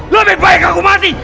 lebih baik aku mati